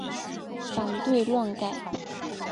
反对乱改！